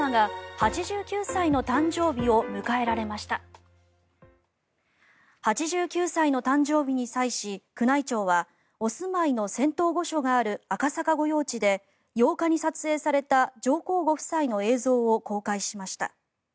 ８９歳の誕生日に際し宮内庁はお住まいの仙洞御所がある赤坂御用地で８日に撮影された上皇ご夫妻の映像を公開しました。